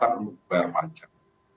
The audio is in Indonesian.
untuk bayar pajak